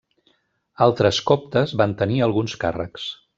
Altres coptes van tenir alguns càrrecs.